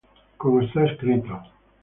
Como está escrito: